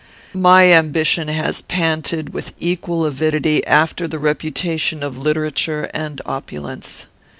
My ambition has panted, with equal avidity, after the reputation of literature and opulence.